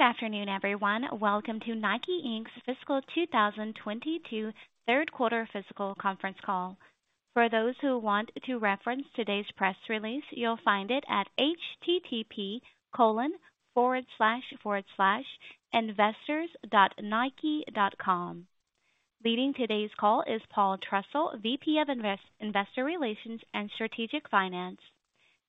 Good afternoon, everyone. Welcome to Nike, Inc.'s fiscal 2022 third quarter fiscal conference call. For those who want to reference today's press release, you'll find it at http://investors.nike.com. Leading today's call is Paul Trussell, VP of Investor Relations and Strategic Finance.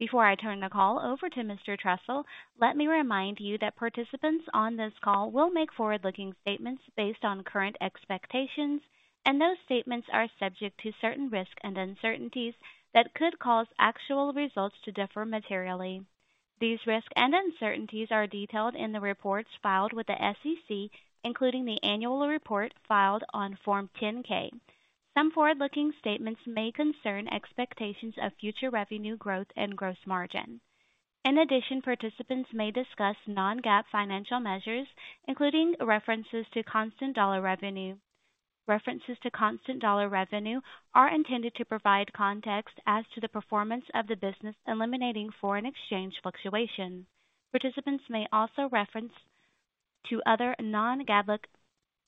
Before I turn the call over to Mr. Trussell, let me remind you that participants on this call will make forward-looking statements based on current expectations, and those statements are subject to certain risks and uncertainties that could cause actual results to differ materially. These risks and uncertainties are detailed in the reports filed with the SEC, including the annual report filed on Form 10-K. Some forward-looking statements may concern expectations of future revenue growth and gross margin. In addition, participants may discuss non-GAAP financial measures, including references to constant dollar revenue. References to constant dollar revenue are intended to provide context as to the performance of the business, eliminating foreign exchange fluctuation. Participants may also refer to other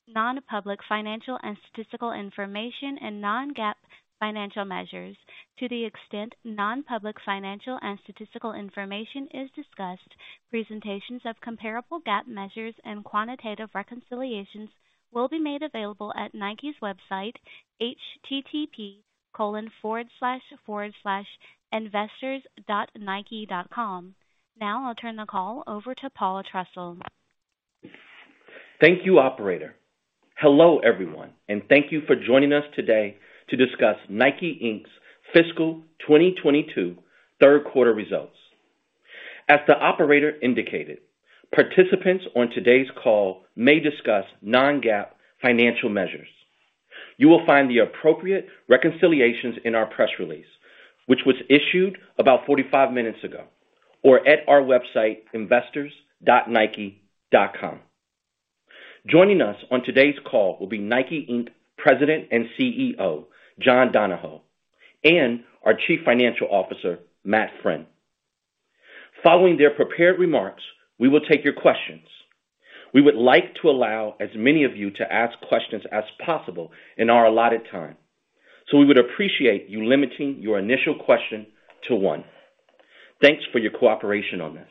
non-public financial and statistical information and non-GAAP financial measures. To the extent non-public financial and statistical information is discussed, presentations of comparable GAAP measures and quantitative reconciliations will be made available at Nike's website, http://investors.nike.com. Now I'll turn the call over to Paul Trussell. Thank you, operator. Hello, everyone, and thank you for joining us today to discuss Nike, Inc.'s fiscal 2022 third quarter results. As the operator indicated, participants on today's call may discuss non-GAAP financial measures. You will find the appropriate reconciliations in our press release, which was issued about 45 minutes ago or at our website, investors.nike.com. Joining us on today's call will be Nike, Inc. President and CEO, John Donahoe, and our Chief Financial Officer, Matt Friend. Following their prepared remarks, we will take your questions. We would like to allow as many of you to ask questions as possible in our allotted time, so we would appreciate you limiting your initial question to one. Thanks for your cooperation on this.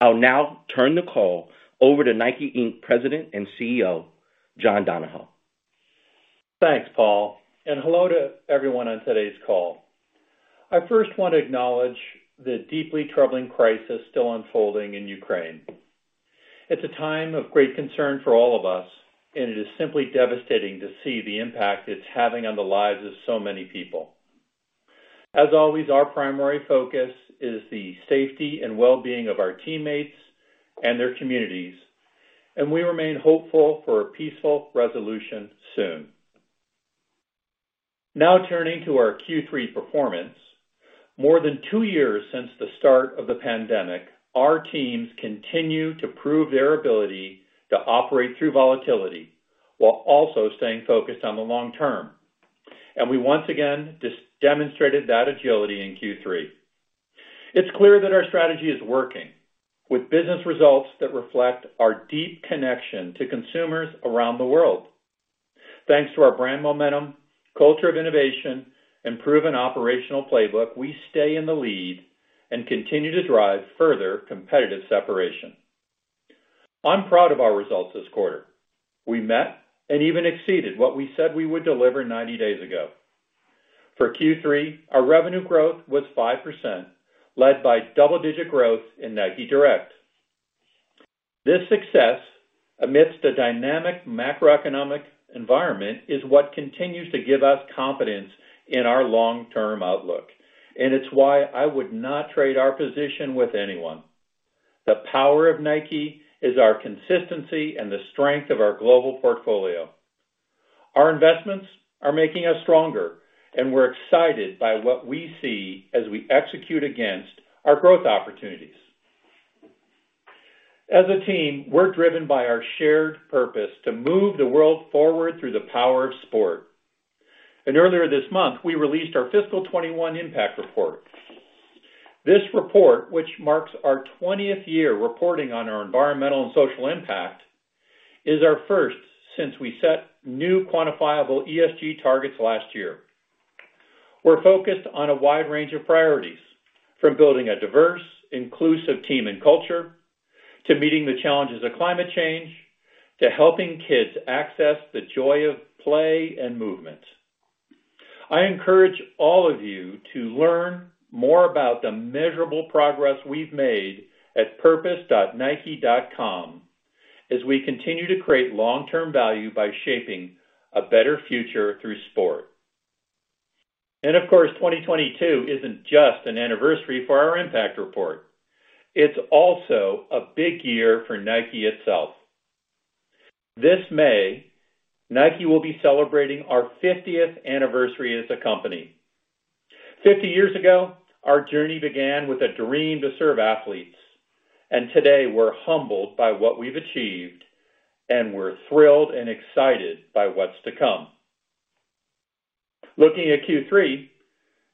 I'll now turn the call over to Nike, Inc. President and CEO, John Donahoe. Thanks, Paul, and hello to everyone on today's call. I first want to acknowledge the deeply troubling crisis still unfolding in Ukraine. It's a time of great concern for all of us, and it is simply devastating to see the impact it's having on the lives of so many people. As always, our primary focus is the safety and well-being of our teammates and their communities, and we remain hopeful for a peaceful resolution soon. Now turning to our Q3 performance. More than two years since the start of the pandemic, our teams continue to prove their ability to operate through volatility while also staying focused on the long term. We once again demonstrated that agility in Q3. It's clear that our strategy is working, with business results that reflect our deep connection to consumers around the world. Thanks to our brand momentum, culture of innovation, and proven operational playbook, we stay in the lead and continue to drive further competitive separation. I'm proud of our results this quarter. We met and even exceeded what we said we would deliver 90 days ago. For Q3, our revenue growth was 5%, led by double-digit growth in Nike Direct. This success amidst a dynamic macroeconomic environment is what continues to give us confidence in our long-term outlook, and it's why I would not trade our position with anyone. The power of Nike is our consistency and the strength of our global portfolio. Our investments are making us stronger, and we're excited by what we see as we execute against our growth opportunities. As a team, we're driven by our shared purpose to move the world forward through the power of sport. Earlier this month, we released our fiscal 2021 impact report. This report, which marks our 20th year reporting on our environmental and social impact, is our first since we set new quantifiable ESG targets last year. We're focused on a wide range of priorities, from building a diverse, inclusive team and culture, to meeting the challenges of climate change, to helping kids access the joy of play and movement. I encourage all of you to learn more about the measurable progress we've made at purpose.nike.com as we continue to create long-term value by shaping a better future through sport. Of course, 2022 isn't just an anniversary for our impact report. It's also a big year for Nike itself. This May, Nike will be celebrating our 50th anniversary as a company. 50 years ago, our journey began with a dream to serve athletes. Today, we're humbled by what we've achieved, and we're thrilled and excited by what's to come. Looking at Q3,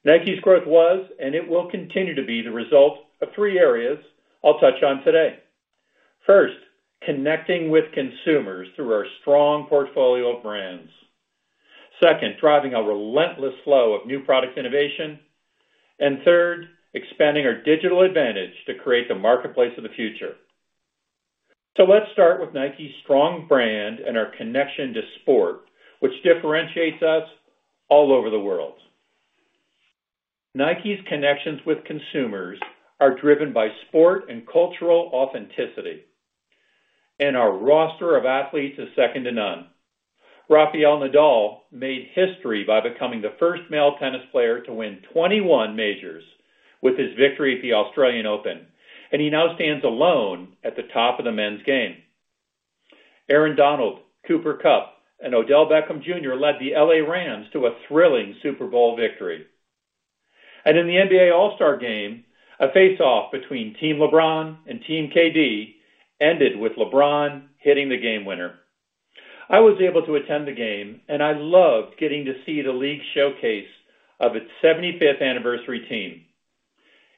Nike's growth was, and it will continue to be the result of three areas I'll touch on today. First, connecting with consumers through our strong portfolio of brands. Second, driving a relentless flow of new product innovation. Third, expanding our digital advantage to create the marketplace of the future. Let's start with Nike's strong brand and our connection to sport, which differentiates us all over the world. Nike's connections with consumers are driven by sport and cultural authenticity, and our roster of athletes is second to none. Rafael Nadal made history by becoming the first male tennis player to win 21 majors with his victory at the Australian Open, and he now stands alone at the top of the men's game. Aaron Donald, Cooper Kupp, and Odell Beckham Jr. led the LA Rams to a thrilling Super Bowl victory. In the NBA All-Star game, a face-off between Team LeBron and Team KD ended with LeBron hitting the game winner. I was able to attend the game, and I loved getting to see the league's showcase of its 75th anniversary team.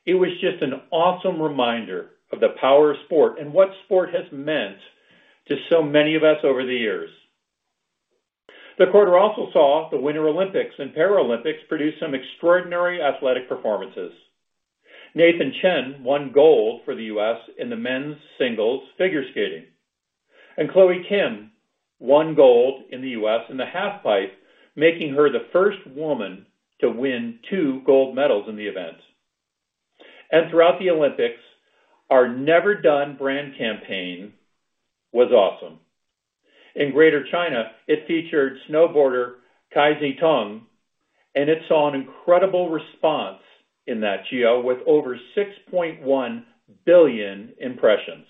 It was just an awesome reminder of the power of sport and what sport has meant to so many of us over the years. The quarter also saw the Winter Olympics and Paralympics produce some extraordinary athletic performances. Nathan Chen won gold for the U.S. in the men's singles figure skating. Chloe Kim won gold for the U.S. in the half pipe, making her the first woman to win two gold medals in the event. Throughout the Olympics, our Never Done brand campaign was awesome. In Greater China, it featured snowboarder Cai Xuetong, and it saw an incredible response in that geo with over 6.1 billion impressions.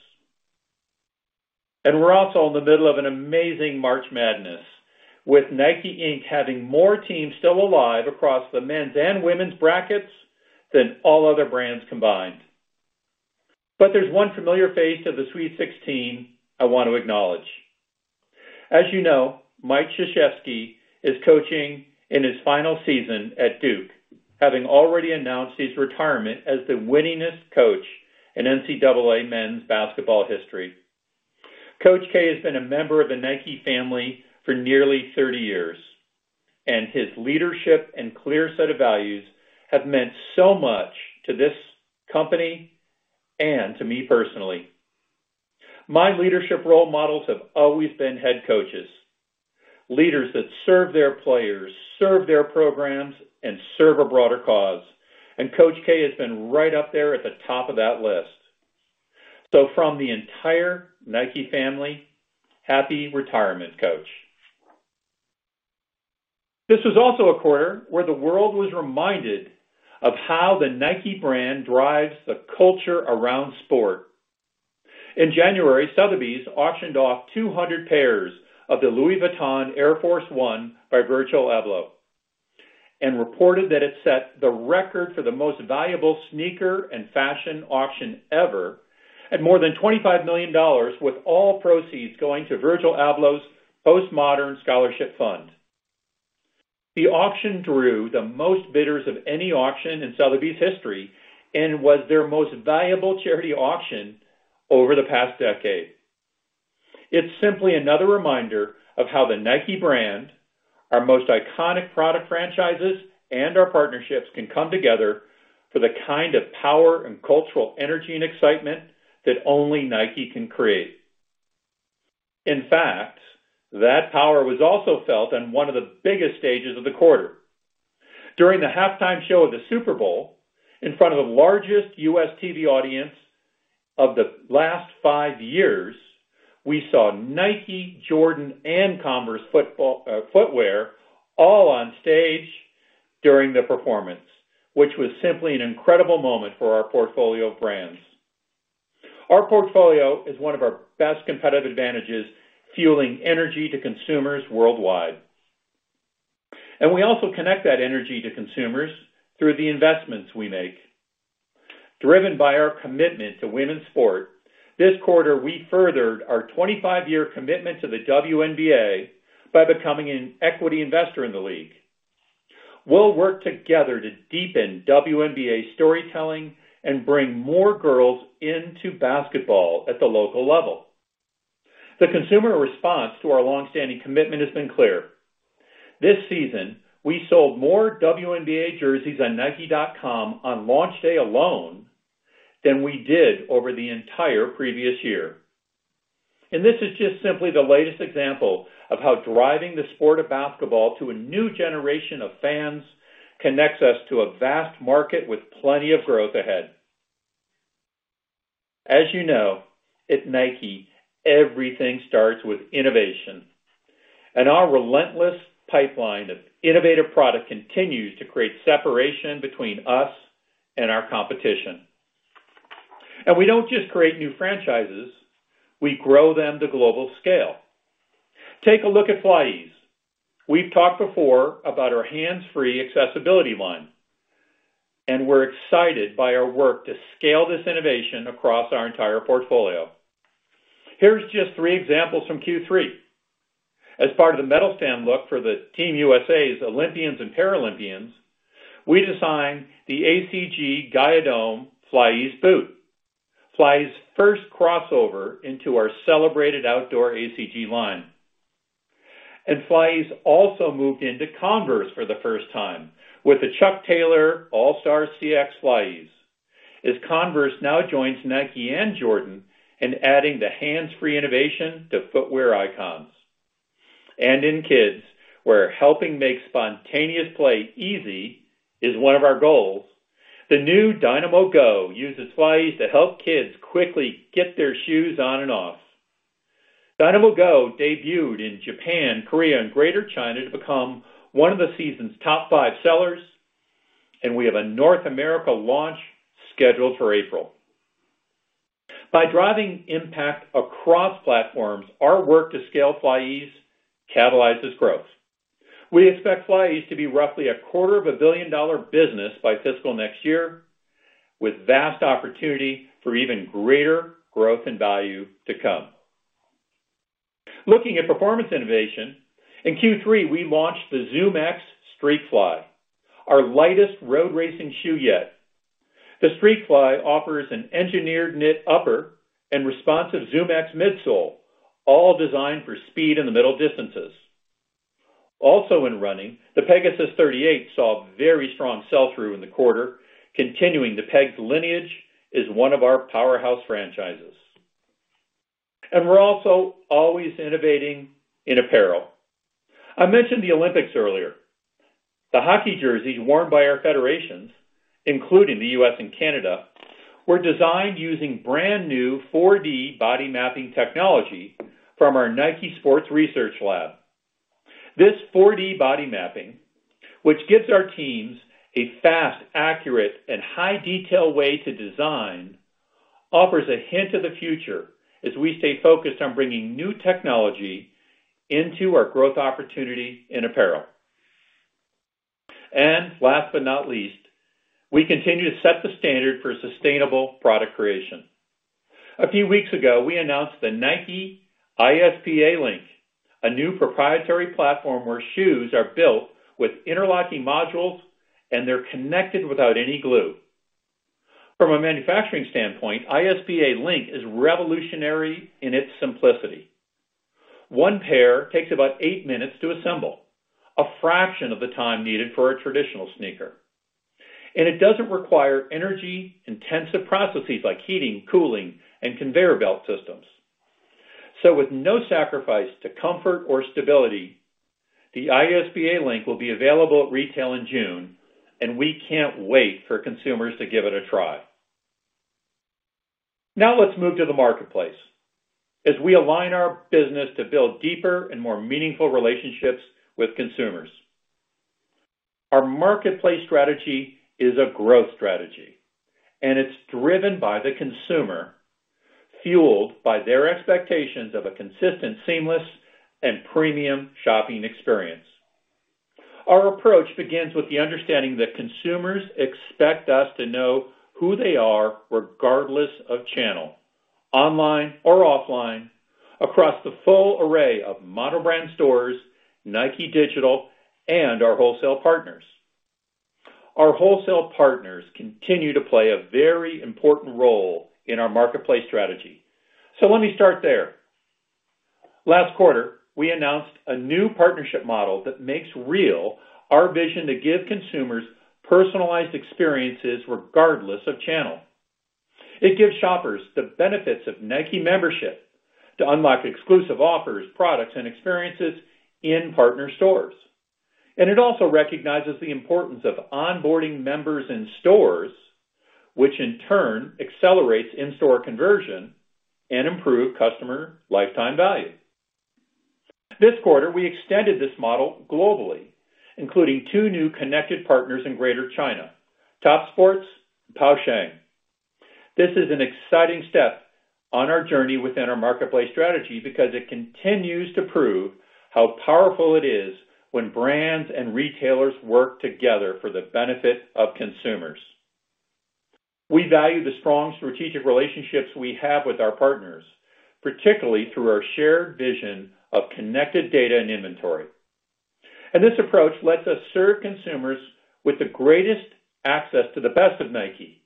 We're also in the middle of an amazing March Madness, with NIKE, Inc. having more teams still alive across the men's and women's brackets than all other brands combined. There's one familiar face of the Sweet Sixteen I want to acknowledge. As you know, Mike Krzyzewski is coaching in his final season at Duke, having already announced his retirement as the winningest coach in NCAA men's basketball history. Coach K has been a member of the NIKE family for nearly 30 years, and his leadership and clear set of values have meant so much to this company and to me personally. My leadership role models have always been head coaches, leaders that serve their players, serve their programs and serve a broader cause. Coach K has been right up there at the top of that list. From the entire Nike family, happy retirement, Coach. This was also a quarter where the world was reminded of how the Nike brand drives the culture around sport. In January, Sotheby's auctioned off 200 pairs of the Louis Vuitton Air Force 1 by Virgil Abloh and reported that it set the record for the most valuable sneaker and fashion auction ever at more than $25 million, with all proceeds going to Virgil Abloh's Post-Modern Scholarship Fund. The auction drew the most bidders of any auction in Sotheby's history and was their most valuable charity auction over the past decade. It's simply another reminder of how the NIKE brand, our most iconic product franchises, and our partnerships can come together for the kind of power and cultural energy and excitement that only NIKE can create. In fact, that power was also felt on one of the biggest stages of the quarter. During the halftime show of the Super Bowl, in front of the largest U.S. TV audience of the last five years, we saw NIKE, Jordan and Converse footwear all on stage during the performance, which was simply an incredible moment for our portfolio of brands. Our portfolio is one of our best competitive advantages, fueling energy to consumers worldwide. We also connect that energy to consumers through the investments we make. Driven by our commitment to women's sport, this quarter, we furthered our 25-year commitment to the WNBA by becoming an equity investor in the league. We'll work together to deepen WNBA storytelling and bring more girls into basketball at the local level. The consumer response to our long-standing commitment has been clear. This season, we sold more WNBA jerseys on nike.com on launch day alone than we did over the entire previous year. This is just simply the latest example of how driving the sport of basketball to a new generation of fans connects us to a vast market with plenty of growth ahead. As you know, at Nike, everything starts with innovation, and our relentless pipeline of innovative product continues to create separation between us and our competition. We don't just create new franchises, we grow them to global scale. Take a look at FlyEase. We've talked before about our hands-free accessibility line. We're excited by our work to scale this innovation across our entire portfolio. Here's just three examples from Q3. As part of the medal stand look for the Team USA's Olympians and Paralympians, we designed the ACG Gaiadome FlyEase Boot. FlyEase's first crossover into our celebrated outdoor ACG line. FlyEase also moved into Converse for the first time with the Chuck Taylor All Star CX FlyEase. As Converse now joins Nike and Jordan in adding the hands-free innovation to footwear icons. In kids, where helping make spontaneous play easy is one of our goals, the new Dynamo Go uses FlyEase to help kids quickly get their shoes on and off. Dynamo Go debuted in Japan, Korea and Greater China to become one of the season's top five sellers, and we have a North America launch scheduled for April. By driving impact across platforms, our work to scale FlyEase catalyzes growth. We expect FlyEase to be roughly a quarter of a billion-dollar business by fiscal next year, with vast opportunity for even greater growth and value to come. Looking at performance innovation, in Q3, we launched the ZoomX Streakfly, our lightest road racing shoe yet. The Streakfly offers an engineered knit upper and responsive ZoomX midsole, all designed for speed in the middle distances. Also in running, the Pegasus 38 saw very strong sell-through in the quarter, continuing the Peg's lineage as one of our powerhouse franchises. We're also always innovating in apparel. I mentioned the Olympics earlier. The hockey jerseys worn by our federations, including the U.S. and Canada, were designed using brand-new 4D body mapping technology from our Nike Sport Research Lab. This 4D body mapping, which gives our teams a fast, accurate, and high detail way to design, offers a hint of the future as we stay focused on bringing new technology into our growth opportunity in apparel. Last but not least, we continue to set the standard for sustainable product creation. A few weeks ago, we announced the Nike ISPA Link, a new proprietary platform where shoes are built with interlocking modules and they're connected without any glue. From a manufacturing standpoint, ISPA Link is revolutionary in its simplicity. One pair takes about eight minutes to assemble, a fraction of the time needed for a traditional sneaker. It doesn't require energy-intensive processes like heating, cooling, and conveyor belt systems. With no sacrifice to comfort or stability, the ISPA Link will be available at retail in June, and we can't wait for consumers to give it a try. Now let's move to the marketplace as we align our business to build deeper and more meaningful relationships with consumers. Our marketplace strategy is a growth strategy, and it's driven by the consumer, fueled by their expectations of a consistent, seamless, and premium shopping experience. Our approach begins with the understanding that consumers expect us to know who they are regardless of channel, online or offline, across the full array of mono brand stores, Nike Digital, and our wholesale partners. Our wholesale partners continue to play a very important role in our marketplace strategy. Let me start there. Last quarter, we announced a new partnership model that makes real our vision to give consumers personalized experiences regardless of channel. It gives shoppers the benefits of Nike membership to unlock exclusive offers, products and experiences in partner stores. It also recognizes the importance of onboarding members in stores, which in turn accelerates in-store conversion and improve customer lifetime value. This quarter, we extended this model globally, including two new connected partners in Greater China, Topsports, Pou Sheng. This is an exciting step on our journey within our marketplace strategy because it continues to prove how powerful it is when brands and retailers work together for the benefit of consumers. We value the strong strategic relationships we have with our partners, particularly through our shared vision of connected data and inventory. This approach lets us serve consumers with the greatest access to the best of Nike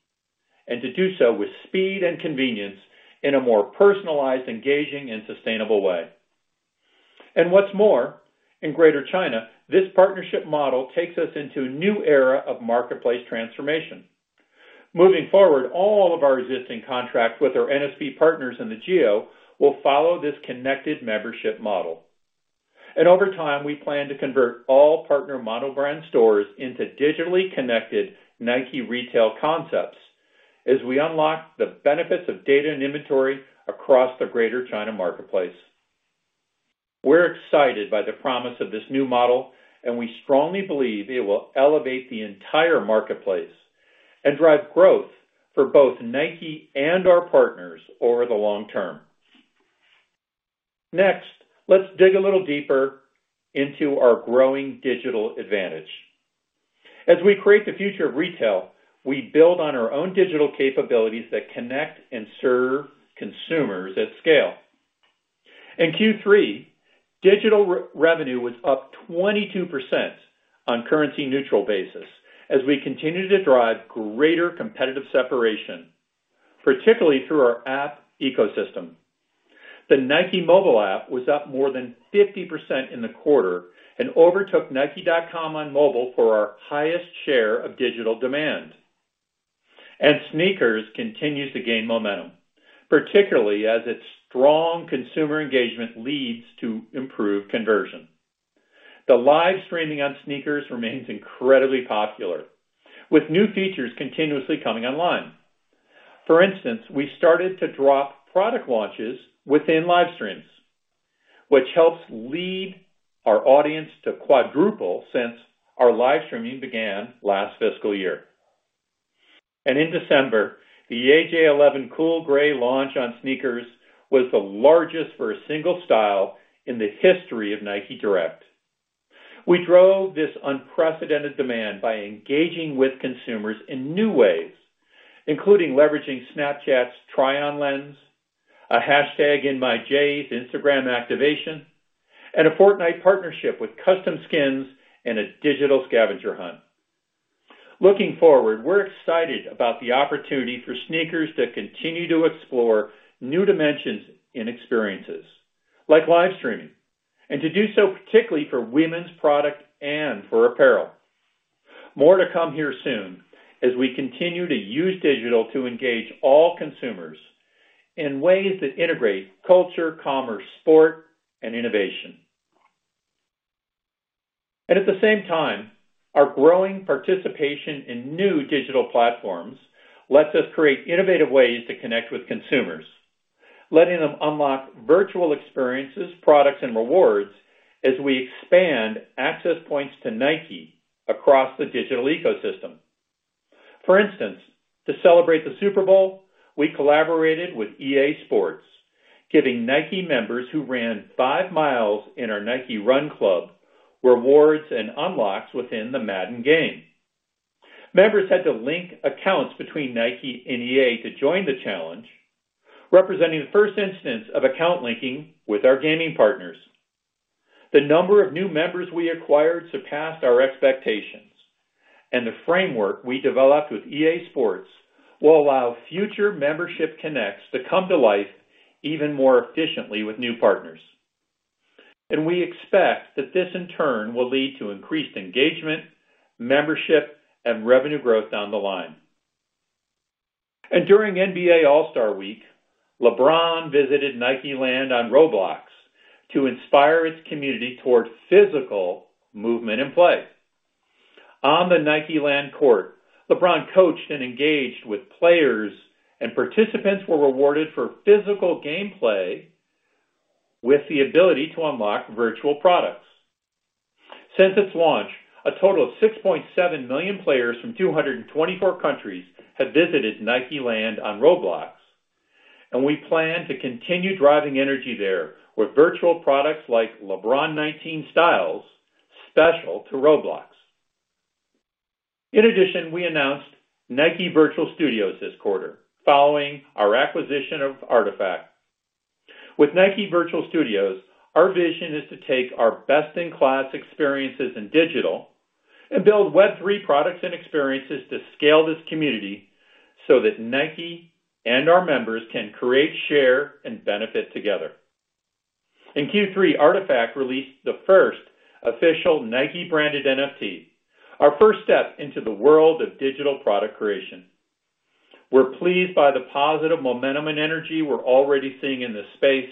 and to do so with speed and convenience in a more personalized, engaging, and sustainable way. What's more, in Greater China, this partnership model takes us into a new era of marketplace transformation. Moving forward, all of our existing contracts with our NSV partners in the geo will follow this connected membership model. Over time, we plan to convert all partner model brand stores into digitally connected Nike retail concepts as we unlock the benefits of data and inventory across the Greater China marketplace. We're excited by the promise of this new model, and we strongly believe it will elevate the entire marketplace and drive growth for both Nike and our partners over the long term. Next, let's dig a little deeper into our growing digital advantage. As we create the future of retail, we build on our own digital capabilities that connect and serve consumers at scale. In Q3, digital revenue was up 22% on currency-neutral basis as we continue to drive greater competitive separation, particularly through our app ecosystem. The Nike mobile app was up more than 50% in the quarter and overtook nike.com on mobile for our highest share of digital demand. SNKRS continues to gain momentum, particularly as its strong consumer engagement leads to improved conversion. The live streaming on SNKRS remains incredibly popular, with new features continuously coming online. For instance, we started to drop product launches within live streams, which helps lead our audience to quadruple since our live streaming began last fiscal year. In December, the AJ 11 Cool Grey launch on SNKRS was the largest for a single style in the history of Nike Direct. We drove this unprecedented demand by engaging with consumers in new ways, including leveraging Snapchat's Try On lens, a hashtag in my J's Instagram activation, and a Fortnite partnership with Custom Skins and a digital scavenger hunt. Looking forward, we're excited about the opportunity for SNKRS to continue to explore new dimensions in experiences like live streaming, and to do so particularly for women's product and for apparel. More to come here soon as we continue to use digital to engage all consumers in ways that integrate culture, commerce, sport and innovation. At the same time, our growing participation in new digital platforms lets us create innovative ways to connect with consumers, letting them unlock virtual experiences, products and rewards as we expand access points to Nike across the digital ecosystem. For instance, to celebrate the Super Bowl, we collaborated with EA Sports, giving Nike members who ran five miles in our Nike Run Club rewards and unlocks within the Madden game. Members had to link accounts between Nike and EA to join the challenge, representing the first instance of account linking with our gaming partners. The number of new members we acquired surpassed our expectations, and the framework we developed with EA Sports will allow future membership connects to come to life even more efficiently with new partners. We expect that this, in turn, will lead to increased engagement, membership, and revenue growth down the line. During NBA All-Star Week, LeBron visited NIKELAND on Roblox to inspire its community towards physical movement and play. On the NIKELAND court, LeBron coached and engaged with players, and participants were rewarded for physical gameplay with the ability to unlock virtual products. Since its launch, a total of 6.7 million players from 224 countries have visited NIKELAND on Roblox, and we plan to continue driving energy there with virtual products like LeBron 19 styles special to Roblox. In addition, we announced Nike Virtual Studios this quarter, following our acquisition of RTFKT. With Nike Virtual Studios, our vision is to take our best-in-class experiences in digital and build Web3 products and experiences to scale this community so that Nike and our members can create, share and benefit together. In Q3, RTFKT released the first official Nike branded NFT, our first step into the world of digital product creation. We're pleased by the positive momentum and energy we're already seeing in this space,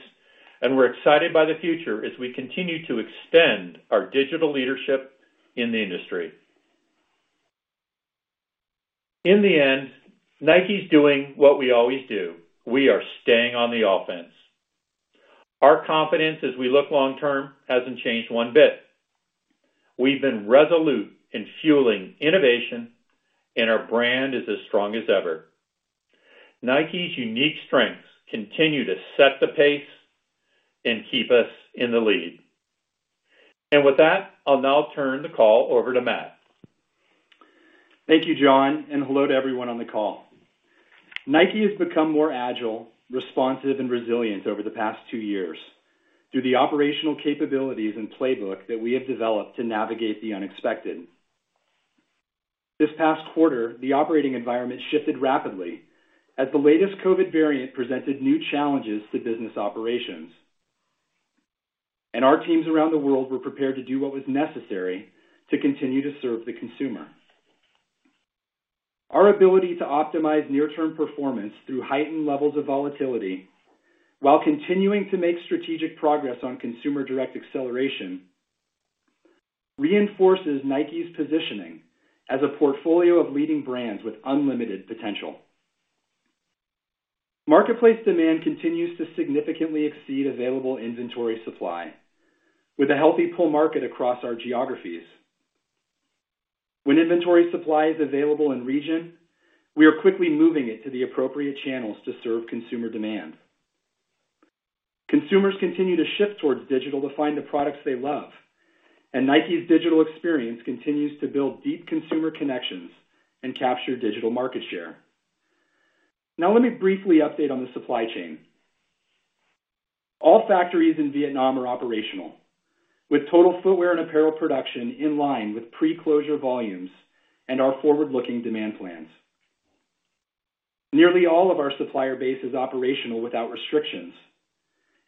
and we're excited by the future as we continue to extend our digital leadership in the industry. In the end, Nike's doing what we always do. We are staying on the offense. Our confidence as we look long term hasn't changed one bit. We've been resolute in fueling innovation, and our brand is as strong as ever. Nike's unique strengths continue to set the pace and keep us in the lead. With that, I'll now turn the call over to Matt. Thank you, John, and hello to everyone on the call. Nike has become more agile, responsive and resilient over the past two years through the operational capabilities and playbook that we have developed to navigate the unexpected. This past quarter, the operating environment shifted rapidly as the latest COVID variant presented new challenges to business operations. Our teams around the world were prepared to do what was necessary to continue to serve the consumer. Our ability to optimize near-term performance through heightened levels of volatility while continuing to make strategic progress on consumer direct acceleration reinforces Nike's positioning as a portfolio of leading brands with unlimited potential. Marketplace demand continues to significantly exceed available inventory supply with a healthy pull market across our geographies. When inventory supply is available in region, we are quickly moving it to the appropriate channels to serve consumer demand. Consumers continue to shift towards digital to find the products they love, and Nike's digital experience continues to build deep consumer connections and capture digital market share. Now, let me briefly update on the supply chain. All factories in Vietnam are operational, with total footwear and apparel production in line with pre-closure volumes and our forward-looking demand plans. Nearly all of our supplier base is operational without restrictions,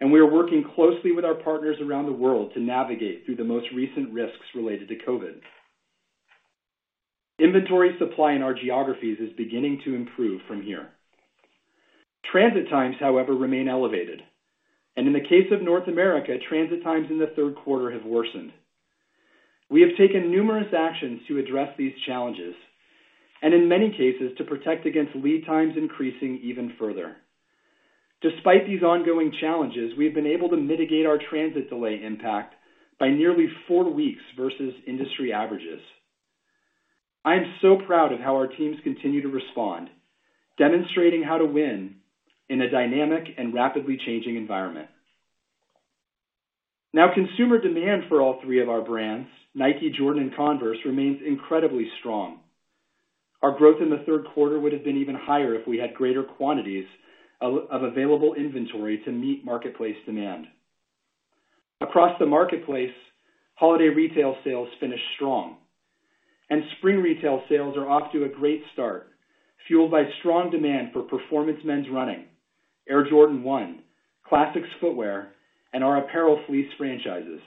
and we are working closely with our partners around the world to navigate through the most recent risks related to COVID. Inventory supply in our geographies is beginning to improve from here. Transit times, however, remain elevated. In the case of North America, transit times in the third quarter have worsened. We have taken numerous actions to address these challenges and in many cases, to protect against lead times increasing even further. Despite these ongoing challenges, we've been able to mitigate our transit delay impact by nearly four weeks versus industry averages. I am so proud of how our teams continue to respond, demonstrating how to win in a dynamic and rapidly changing environment. Now, consumer demand for all three of our brands, Nike, Jordan, and Converse, remains incredibly strong. Our growth in the third quarter would have been even higher if we had greater quantities of available inventory to meet marketplace demand. Across the marketplace, holiday retail sales finished strong, and spring retail sales are off to a great start, fueled by strong demand for performance men's running, Air Jordan 1, classics footwear, and our apparel fleece franchises.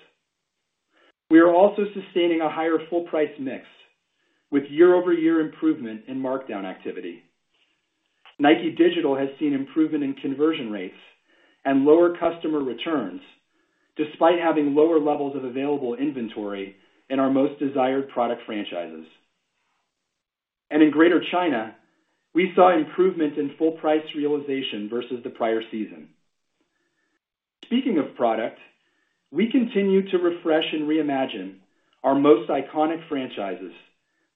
We are also sustaining a higher full price mix with year-over-year improvement in markdown activity. Nike Digital has seen improvement in conversion rates and lower customer returns despite having lower levels of available inventory in our most desired product franchises. In Greater China, we saw improvement in full price realization versus the prior season. Speaking of product, we continue to refresh and reimagine our most iconic franchises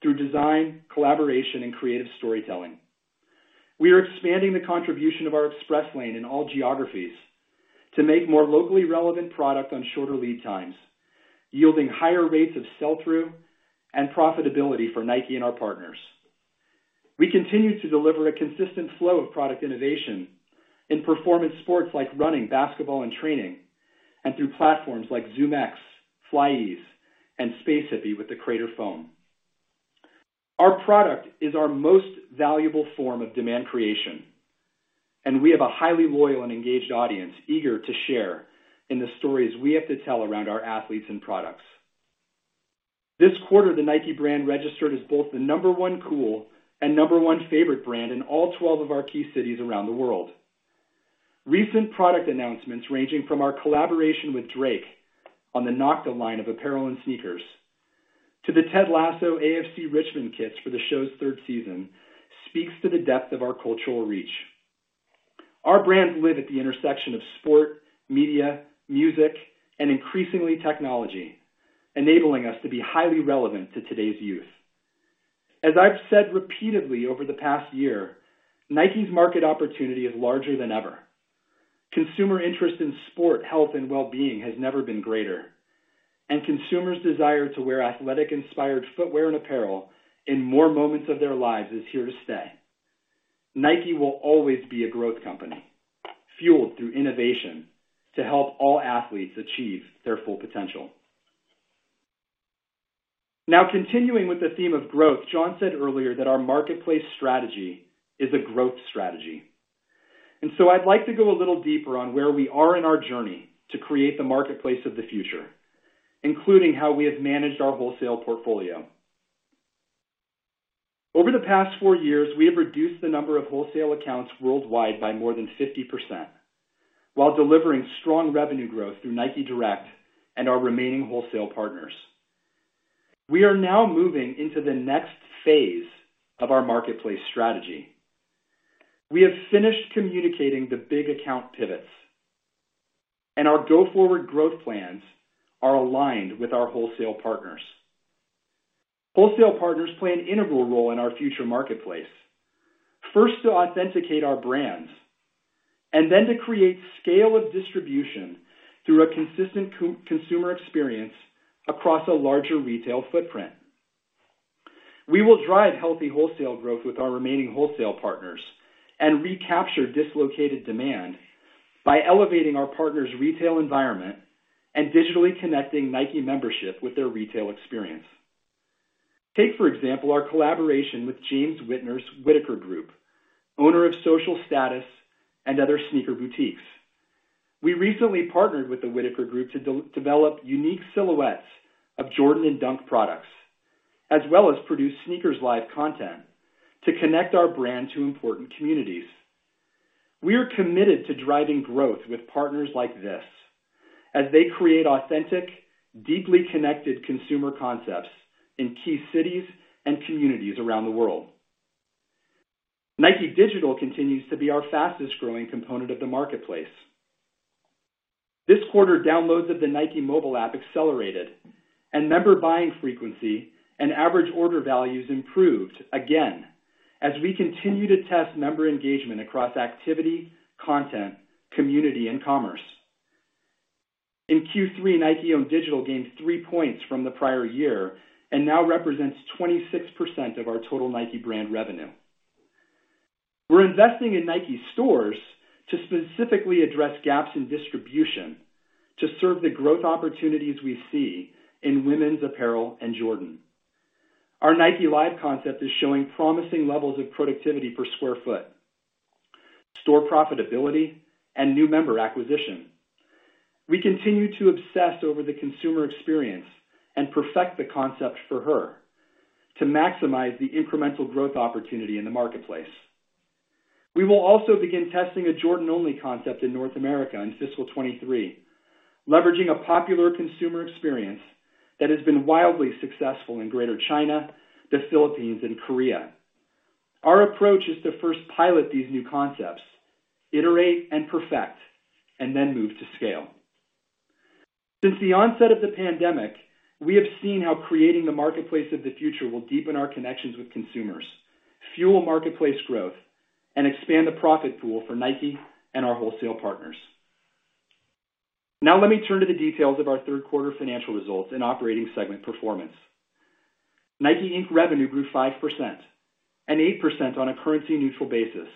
through design, collaboration, and creative storytelling. We are expanding the contribution of our Express Lane in all geographies to make more locally relevant product on shorter lead times, yielding higher rates of sell-through and profitability for Nike and our partners. We continue to deliver a consistent flow of product innovation in performance sports like running, basketball, and training, and through platforms like ZoomX, FlyEase, and Space Hippie with the Crater Foam. Our product is our most valuable form of demand creation, and we have a highly loyal and engaged audience eager to share in the stories we have to tell around our athletes and products. This quarter, the Nike brand registered as both the number one cool and number one favorite brand in all 12 of our key cities around the world. Recent product announcements, ranging from our collaboration with Drake on the NOCTA line of apparel and sneakers to the Ted Lasso AFC Richmond kits for the show's third season, speaks to the depth of our cultural reach. Our brands live at the intersection of sport, media, music, and increasingly technology, enabling us to be highly relevant to today's youth. As I've said repeatedly over the past year, Nike's market opportunity is larger than ever. Consumer interest in sport, health, and well-being has never been greater, and consumers' desire to wear athletic-inspired footwear and apparel in more moments of their lives is here to stay. Nike will always be a growth company, fueled through innovation to help all athletes achieve their full potential. Now, continuing with the theme of growth, John said earlier that our marketplace strategy is a growth strategy. I'd like to go a little deeper on where we are in our journey to create the marketplace of the future, including how we have managed our wholesale portfolio. Over the past four years, we have reduced the number of wholesale accounts worldwide by more than 50% while delivering strong revenue growth through Nike Direct and our remaining wholesale partners. We are now moving into the next phase of our marketplace strategy. We have finished communicating the big account pivots, and our go-forward growth plans are aligned with our wholesale partners. Wholesale partners play an integral role in our future marketplace. First, to authenticate our brands, and then to create scale of distribution through a consistent consumer experience across a larger retail footprint. We will drive healthy wholesale growth with our remaining wholesale partners and recapture dislocated demand by elevating our partners' retail environment and digitally connecting Nike membership with their retail experience. Take, for example, our collaboration with James Whitner's Whitaker Group, owner of Social Status and other sneaker boutiques. We recently partnered with the Whitaker Group to co-develop unique silhouettes of Jordan and Dunk products, as well as produce SNKRS Live content to connect our brand to important communities. We are committed to driving growth with partners like this as they create authentic, deeply connected consumer concepts in key cities and communities around the world. Nike Digital continues to be our fastest-growing component of the marketplace. This quarter, downloads of the Nike mobile app accelerated and member buying frequency and average order values improved again as we continue to test member engagement across activity, content, community, and commerce. In Q3, Nike-owned digital gained three points from the prior year and now represents 26% of our total Nike brand revenue. We're investing in Nike stores to specifically address gaps in distribution to serve the growth opportunities we see in women's apparel and Jordan. Our Nike Live concept is showing promising levels of productivity per square foot, store profitability, and new member acquisition. We continue to obsess over the consumer experience and perfect the concept for her to maximize the incremental growth opportunity in the marketplace. We will also begin testing a Jordan-only concept in North America in fiscal 2023, leveraging a popular consumer experience that has been wildly successful in Greater China, the Philippines, and Korea. Our approach is to first pilot these new concepts, iterate and perfect, and then move to scale. Since the onset of the pandemic, we have seen how creating the marketplace of the future will deepen our connections with consumers, fuel marketplace growth, and expand the profit pool for Nike and our wholesale partners. Now let me turn to the details of our third quarter financial results and operating segment performance. Nike, Inc. revenue grew 5% and 8% on a currency-neutral basis,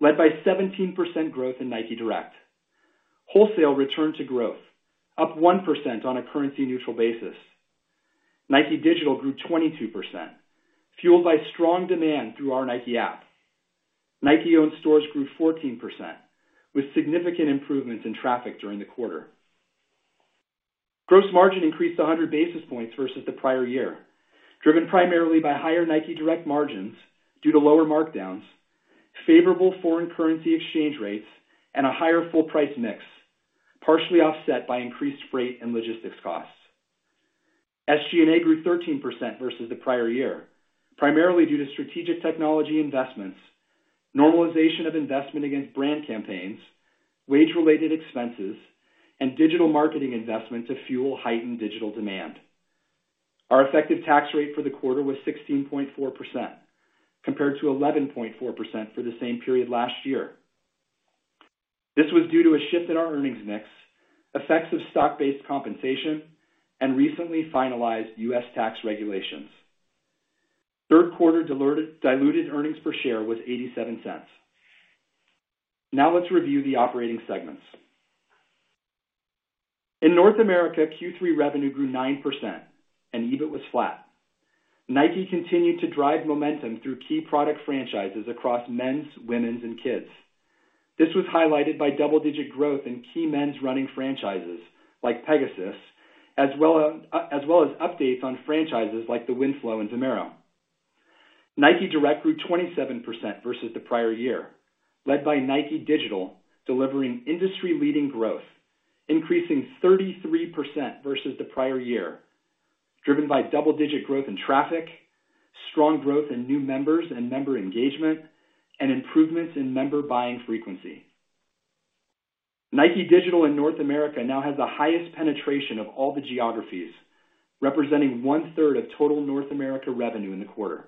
led by 17% growth in NIKE Direct. Wholesale returned to growth, up 1% on a currency-neutral basis. Nike Digital grew 22%, fueled by strong demand through our Nike app. Nike-owned stores grew 14%, with significant improvements in traffic during the quarter. Gross margin increased 100 basis points versus the prior year, driven primarily by higher Nike Direct margins due to lower markdowns, favorable foreign currency exchange rates, and a higher full price mix, partially offset by increased freight and logistics costs. SG&A grew 13% versus the prior year, primarily due to strategic technology investments, normalization of investment against brand campaigns, wage-related expenses, and digital marketing investments to fuel heightened digital demand. Our effective tax rate for the quarter was 16.4%, compared to 11.4% for the same period last year. This was due to a shift in our earnings mix, effects of stock-based compensation, and recently finalized U.S. tax regulations. Third quarter diluted earnings per share was $0.87. Now let's review the operating segments. In North America, Q3 revenue grew 9% and EBIT was flat. Nike continued to drive momentum through key product franchises across men's, women's, and kids. This was highlighted by double-digit growth in key men's running franchises like Pegasus, as well as updates on franchises like the Winflo and Vomero. NIKE Direct grew 27% versus the prior year, led by NIKE Digital delivering industry-leading growth, increasing 33% versus the prior year, driven by double-digit growth in traffic, strong growth in new members and member engagement, and improvements in member buying frequency. Nike Digital in North America now has the highest penetration of all the geographies, representing 1/3 of total North America revenue in the quarter.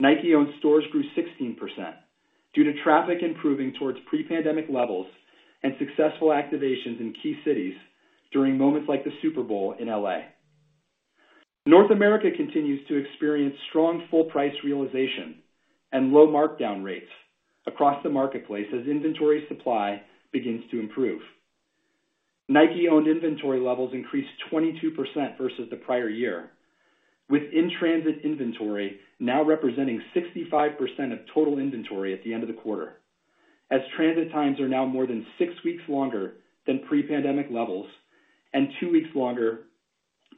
Nike-owned stores grew 16% due to traffic improving towards pre-pandemic levels and successful activations in key cities during moments like the Super Bowl in L.A. North America continues to experience strong full price realization and low markdown rates across the marketplace as inventory supply begins to improve. Nike-owned inventory levels increased 22% versus the prior year, with in-transit inventory now representing 65% of total inventory at the end of the quarter, as transit times are now more than six weeks longer than pre-pandemic levels and two weeks longer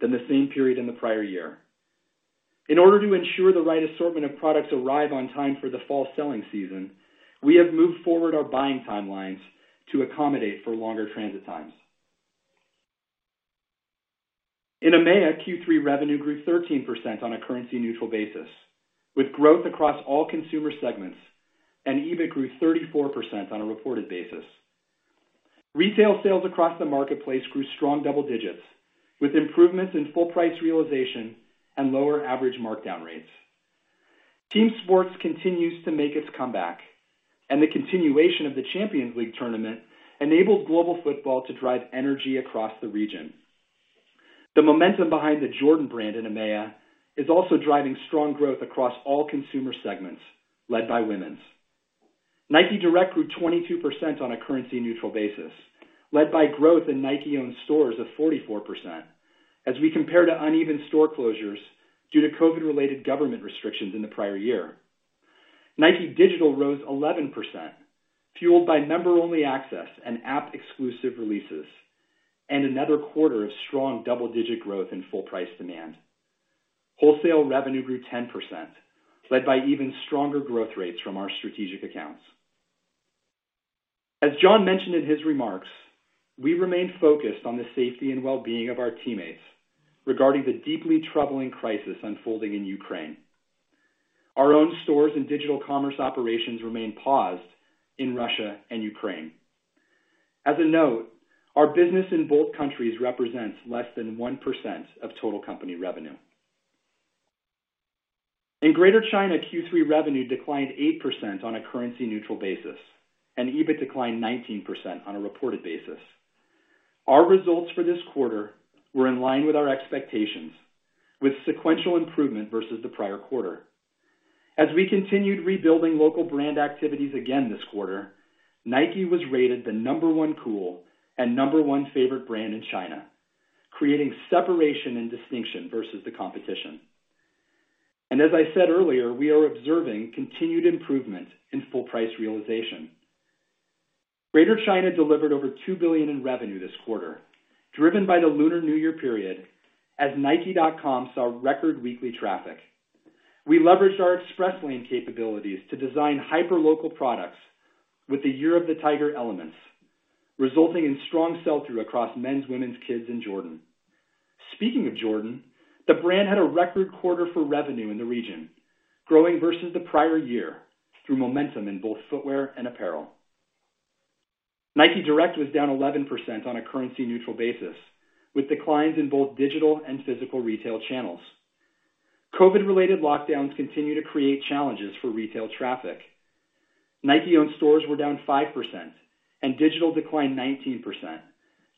than the same period in the prior year. In order to ensure the right assortment of products arrive on time for the fall selling season, we have moved forward our buying timelines to accommodate for longer transit times. In EMEA, Q3 revenue grew 13% on a currency-neutral basis, with growth across all consumer segments and EBIT grew 34% on a reported basis. Retail sales across the marketplace grew strong double digits, with improvements in full price realization and lower average markdown rates. Team sports continues to make its comeback, and the continuation of the Champions League tournament enabled global football to drive energy across the region. The momentum behind the Jordan brand in EMEA is also driving strong growth across all consumer segments, led by women's. Nike Direct grew 22% on a currency neutral basis, led by growth in Nike-owned stores of 44% as we compare to uneven store closures due to COVID-related government restrictions in the prior year. Nike Digital rose 11%, fueled by member-only access and app-exclusive releases, and another quarter of strong double-digit growth in full price demand. Wholesale revenue grew 10%, led by even stronger growth rates from our strategic accounts. As John mentioned in his remarks, we remain focused on the safety and well-being of our teammates regarding the deeply troubling crisis unfolding in Ukraine. Our own stores and digital commerce operations remain paused in Russia and Ukraine. As a note, our business in both countries represents less than 1% of total company revenue. In Greater China, Q3 revenue declined 8% on a currency neutral basis, and EBIT declined 19% on a reported basis. Our results for this quarter were in line with our expectations with sequential improvement versus the prior quarter. As we continued rebuilding local brand activities again this quarter, Nike was rated the number one cool and number one favorite brand in China, creating separation and distinction versus the competition. As I said earlier, we are observing continued improvement in full price realization. Greater China delivered over $2 billion in revenue this quarter, driven by the Lunar New Year period as nike.com saw record weekly traffic. We leveraged our Express Lane capabilities to design hyper local products with the Year of the Tiger elements, resulting in strong sell-through across men's, women's, kids in Jordan. Speaking of Jordan, the brand had a record quarter for revenue in the region, growing versus the prior year through momentum in both footwear and apparel. NIKE Direct was down 11% on a currency neutral basis, with declines in both digital and physical retail channels. COVID-related lockdowns continue to create challenges for retail traffic. Nike-owned stores were down 5% and digital declined 19%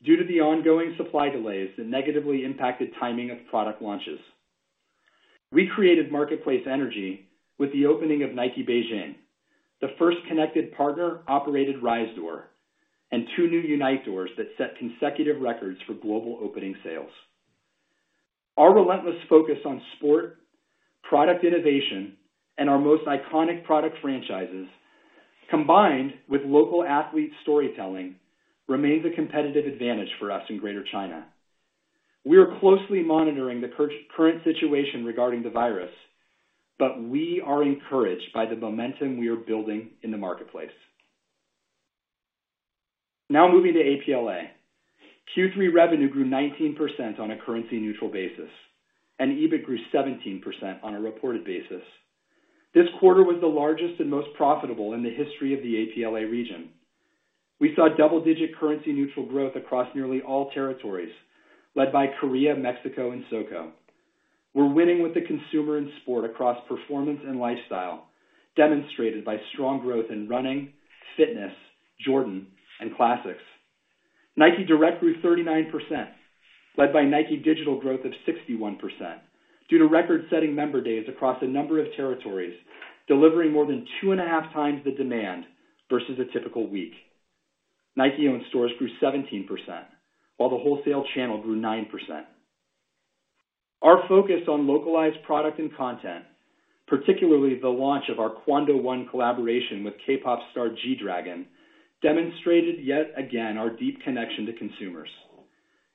due to the ongoing supply delays that negatively impacted timing of product launches. We created marketplace energy with the opening of Nike Beijing, the first connected partner operated Riser store, and two new Unite stores that set consecutive records for global opening sales. Our relentless focus on sport, product innovation, and our most iconic product franchises, combined with local athlete storytelling, remains a competitive advantage for us in Greater China. We are closely monitoring the current situation regarding the virus, but we are encouraged by the momentum we are building in the marketplace. Now moving to APLA. Q3 revenue grew 19% on a currency neutral basis, and EBIT grew 17% on a reported basis. This quarter was the largest and most profitable in the history of the APLA region. We saw double-digit currency neutral growth across nearly all territories led by Korea, Mexico, and SOCO. We're winning with the consumer in sport across performance and lifestyle, demonstrated by strong growth in running, fitness, Jordan, and classics. Nike Direct grew 39%, led by Nike Digital growth of 61% due to record-setting member days across a number of territories, delivering more than two and a half times the demand versus a typical week. Nike-owned stores grew 17%, while the wholesale channel grew 9%. Our focus on localized product and content, particularly the launch of our Kwondo 1 collaboration with K-pop star G-Dragon, demonstrated yet again our deep connection to consumers.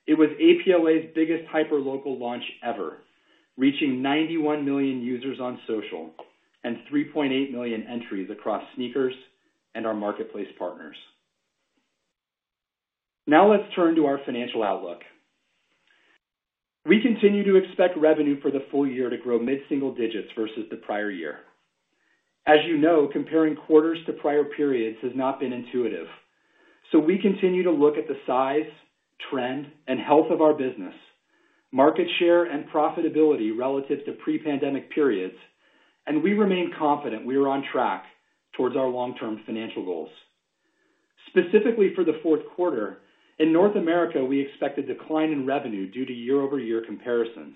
It was APLA's biggest hyper local launch ever, reaching 91 million users on social and 3.8 million entries across sneakers and our marketplace partners. Now let's turn to our financial outlook. We continue to expect revenue for the full year to grow mid-single digits versus the prior year. As you know, comparing quarters to prior periods has not been intuitive. We continue to look at the size, trend, and health of our business, market share, and profitability relative to pre-pandemic periods, and we remain confident we are on track towards our long-term financial goals. Specifically for the fourth quarter, in North America, we expect a decline in revenue due to year-over-year comparisons.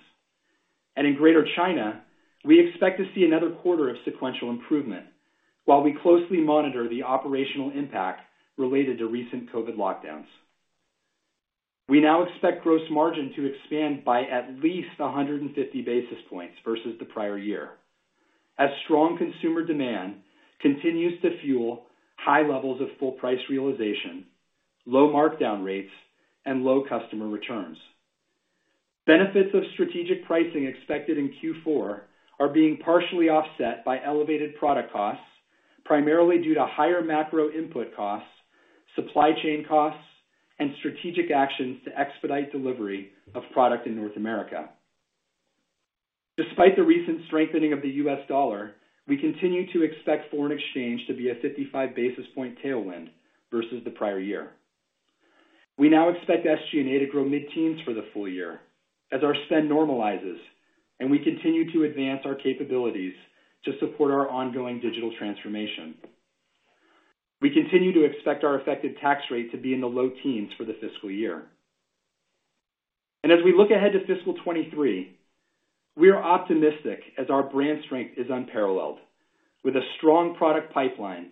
In Greater China, we expect to see another quarter of sequential improvement while we closely monitor the operational impact related to recent COVID lockdowns. We now expect gross margin to expand by at least 150 basis points versus the prior year as strong consumer demand continues to fuel high levels of full price realization, low markdown rates, and low customer returns. Benefits of strategic pricing expected in Q4 are being partially offset by elevated product costs, primarily due to higher macro input costs, supply chain costs, and strategic actions to expedite delivery of product in North America. Despite the recent strengthening of the U.S. dollar, we continue to expect foreign exchange to be a 55 basis point tailwind versus the prior year. We now expect SG&A to grow mid-teens for the full year as our spend normalizes and we continue to advance our capabilities to support our ongoing digital transformation. We continue to expect our effective tax rate to be in the low teens for the fiscal year. As we look ahead to fiscal 2023, we are optimistic as our brand strength is unparalleled with a strong product pipeline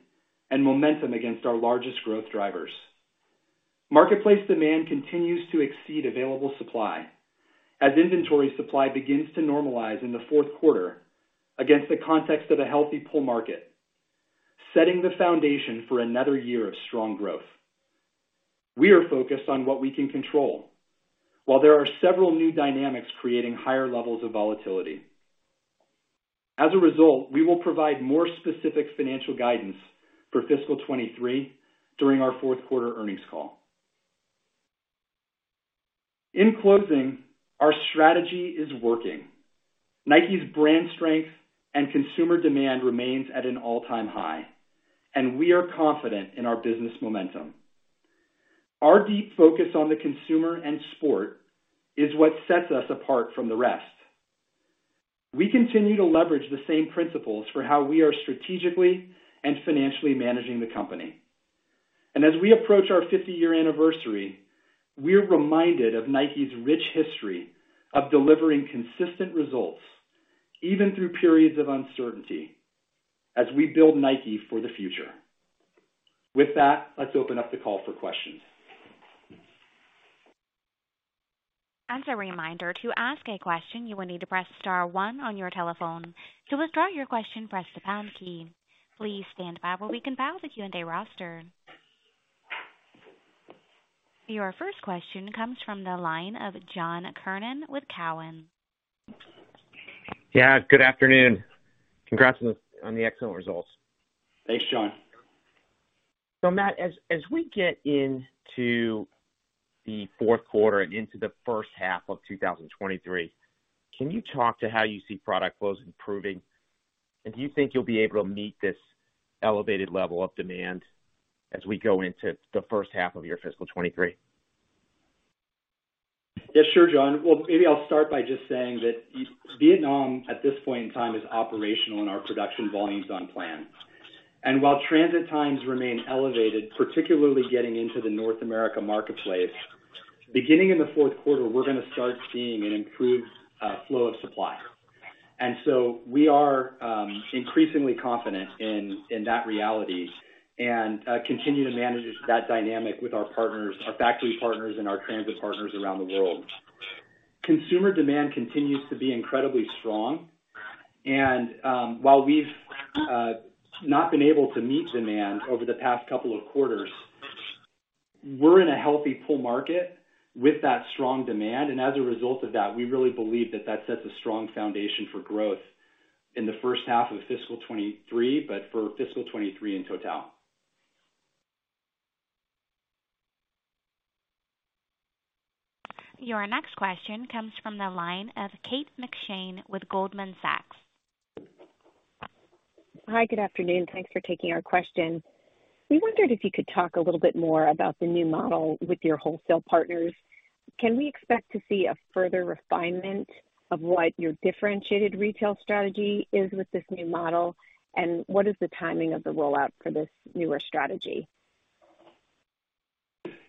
and momentum against our largest growth drivers. Marketplace demand continues to exceed available supply as inventory supply begins to normalize in the fourth quarter against the context of a healthy pull market, setting the foundation for another year of strong growth. We are focused on what we can control while there are several new dynamics creating higher levels of volatility. As a result, we will provide more specific financial guidance for fiscal 2023 during our fourth quarter earnings call. In closing, our strategy is working. Nike's brand strength and consumer demand remains at an all-time high, and we are confident in our business momentum. Our deep focus on the consumer and sport is what sets us apart from the rest. We continue to leverage the same principles for how we are strategically and financially managing the company. As we approach our 50-year anniversary, we're reminded of Nike's rich history of delivering consistent results even through periods of uncertainty as we build Nike for the future. With that, let's open up the call for questions. Your first question comes from the line of John Kernan with TD Cowen. Yeah, good afternoon. Congrats on the excellent results. Thanks, John. Matt, as we get into the fourth quarter and into the first half of 2023, can you talk to how you see product flows improving? Do you think you'll be able to meet this elevated level of demand as we go into the first half of your fiscal 2023? Yeah, sure, John. Well, maybe I'll start by just saying that Vietnam, at this point in time, is operational in our production volumes on plan. While transit times remain elevated, particularly getting into the North America marketplace, beginning in the fourth quarter, we're gonna start seeing an improved flow of supply. We are increasingly confident in that reality and continue to manage that dynamic with our partners, our factory partners, and our transit partners around the world. Consumer demand continues to be incredibly strong and, while we've not been able to meet demand over the past couple of quarters, we're in a healthy bull market with that strong demand, and as a result of that, we really believe that that sets a strong foundation for growth in the first half of fiscal 2023, but for fiscal 2023 in total. Your next question comes from the line of Kate McShane with Goldman Sachs. Hi, good afternoon. Thanks for taking our question. We wondered if you could talk a little bit more about the new model with your wholesale partners. Can we expect to see a further refinement of what your differentiated retail strategy is with this new model? What is the timing of the rollout for this newer strategy?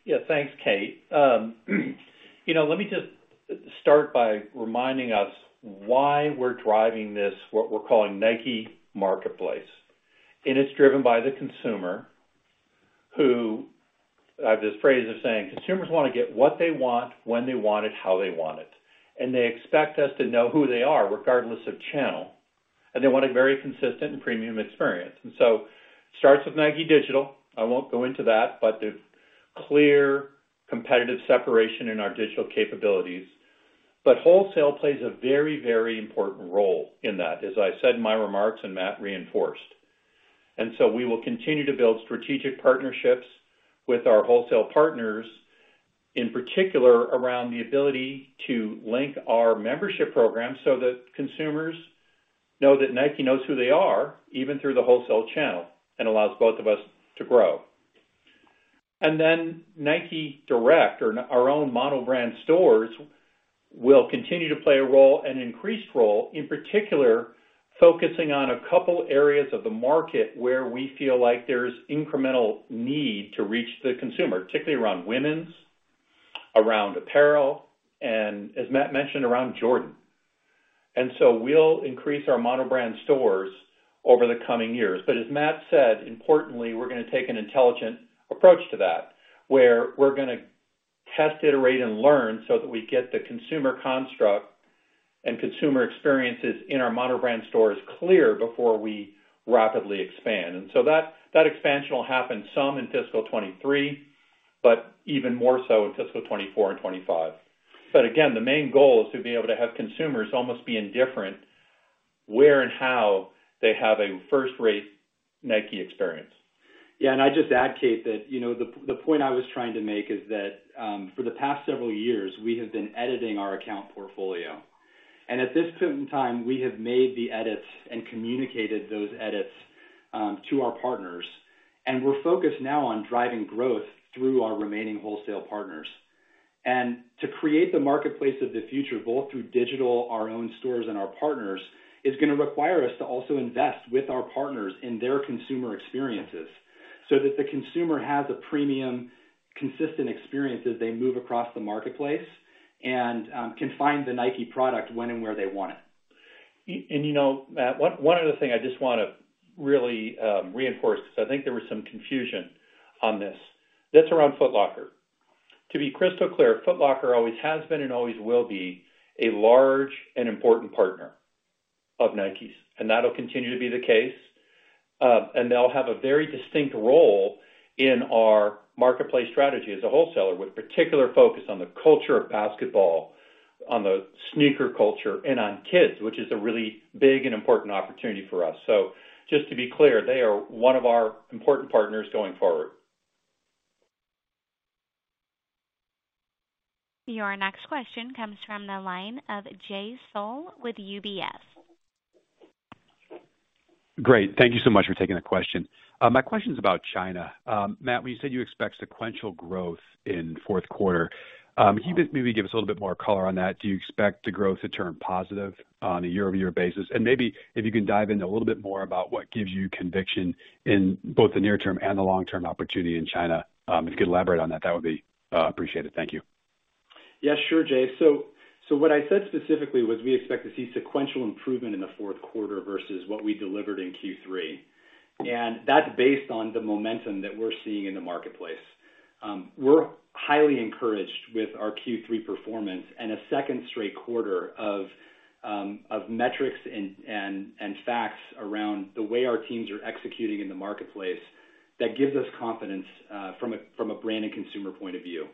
Yeah. Thanks, Kate. You know, let me just start by reminding us why we're driving this, what we're calling Nike Marketplace. It is driven by the consumer who I have this phrase of saying, consumers wanna get what they want, when they want it, how they want it. They expect us to know who they are, regardless of channel, and they want a very consistent and premium experience. It starts with Nike Digital. I won't go into that, but the clear competitive separation in our digital capabilities. Wholesale plays a very, very important role in that, as I said in my remarks and Matt reinforced. We will continue to build strategic partnerships with our wholesale partners, in particular around the ability to link our membership program so that consumers know that Nike knows who they are, even through the wholesale channel and allows both of us to grow. Nike Direct or our own mono-brand stores will continue to play a role, an increased role, in particular focusing on a couple areas of the market where we feel like there's incremental need to reach the consumer, particularly around women's, around apparel, and as Matt mentioned, around Jordan. We'll increase our mono-brand stores over the coming years. As Matt said, importantly, we're gonna take an intelligent approach to that, where we're gonna test, iterate, and learn so that we get the consumer construct and consumer experiences in our mono-brand stores clear before we rapidly expand. that expansion will happen some in fiscal 2023, but even more so in fiscal 2024 and 2025. Again, the main goal is to be able to have consumers almost be indifferent, where and how they have a first-rate Nike experience. Yeah. I'd just add, Kate, that, you know, the point I was trying to make is that, for the past several years, we have been editing our account portfolio. At this point in time, we have made the edits and communicated those edits, to our partners. We're focused now on driving growth through our remaining wholesale partners. To create the marketplace of the future, both through digital, our own stores and our partners, is gonna require us to also invest with our partners in their consumer experiences so that the consumer has a premium consistent experience as they move across the marketplace and, can find the Nike product when and where they want it. You know, Matt, one other thing I just wanna really reinforce because I think there was some confusion on this. That's around Foot Locker. To be crystal clear, Foot Locker always has been and always will be a large and important partner of Nike's, and that'll continue to be the case. They'll have a very distinct role in our marketplace strategy as a wholesaler, with particular focus on the culture of basketball, on the sneaker culture, and on kids, which is a really big and important opportunity for us. Just to be clear, they are one of our important partners going forward. Your next question comes from the line of Jay Sole with UBS. Great. Thank you so much for taking the question. My question is about China. Matt, when you said you expect sequential growth in fourth quarter, can you just maybe give us a little bit more color on that? Do you expect the growth to turn positive on a year-over-year basis? Maybe if you can dive in a little bit more about what gives you conviction in both the near term and the long-term opportunity in China, if you could elaborate on that would be appreciated. Thank you. Yeah, sure, Jay. So what I said specifically was we expect to see sequential improvement in the fourth quarter versus what we delivered in Q3. That's based on the momentum that we're seeing in the marketplace. We're highly encouraged with our Q3 performance and a second straight quarter of metrics and facts around the way our teams are executing in the marketplace that gives us confidence from a brand and consumer point of view.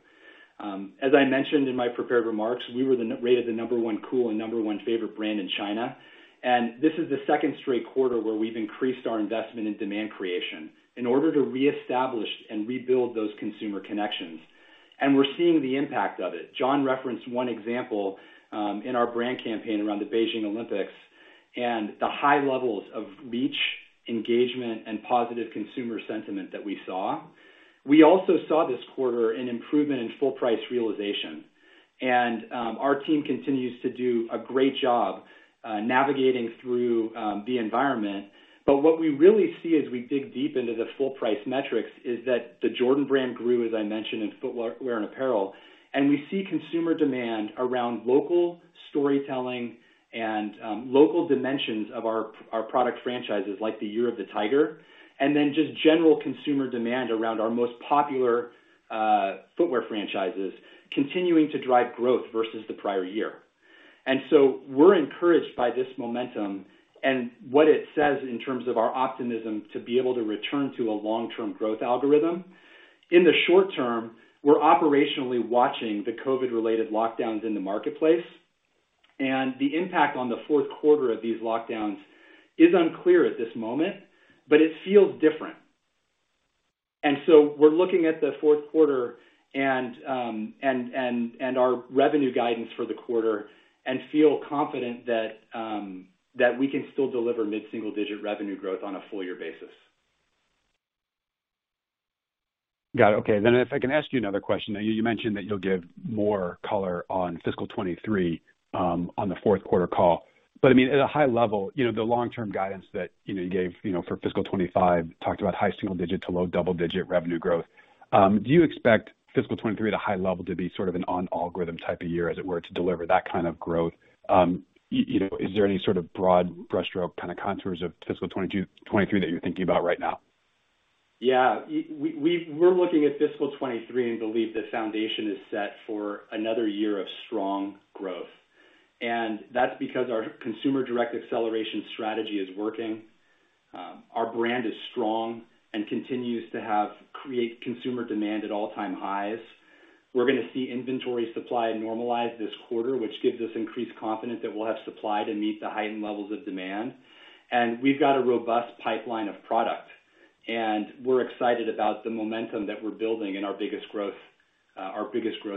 As I mentioned in my prepared remarks, we were rated the number one cool and number one favorite brand in China. This is the second straight quarter where we've increased our investment in demand creation in order to reestablish and rebuild those consumer connections. We're seeing the impact of it. John referenced one example in our brand campaign around the Beijing Olympics and the high levels of reach, engagement, and positive consumer sentiment that we saw. We also saw this quarter an improvement in full price realization. Our team continues to do a great job navigating through the environment. What we really see as we dig deep into the full price metrics is that the Jordan Brand grew, as I mentioned, in footwear and apparel. We see consumer demand around local storytelling and local dimensions of our product franchises, like the Year of the Tiger, and then just general consumer demand around our most popular footwear franchises continuing to drive growth versus the prior year. We're encouraged by this momentum and what it says in terms of our optimism to be able to return to a long-term growth algorithm. In the short term, we're operationally watching the COVID-related lockdowns in the marketplace, and the impact on the fourth quarter of these lockdowns is unclear at this moment, but it feels different. We're looking at the fourth quarter and our revenue guidance for the quarter and feel confident that we can still deliver mid-single-digit revenue growth on a full year basis. Got it. Okay. If I can ask you another question. Now you mentioned that you'll give more color on fiscal 2023 on the fourth quarter call, but I mean, at a high level, you know, the long-term guidance that you know, you gave, you know, for fiscal 2025 talked about high single-digit to low double-digit revenue growth. Do you expect fiscal 2023 at a high level to be sort of an on-algorithm type of year, as it were, to deliver that kind of growth? You know, is there any sort of broad brushstroke kind of contours of fiscal 2023 that you're thinking about right now? Yeah. We're looking at fiscal 2023 and believe the foundation is set for another year of strong growth. That's because our Consumer Direct Acceleration strategy is working. Our brand is strong and continues to create consumer demand at all-time highs. We're gonna see inventory supply normalize this quarter, which gives us increased confidence that we'll have supply to meet the heightened levels of demand. We've got a robust pipeline of product, and we're excited about the momentum that we're building in our biggest growth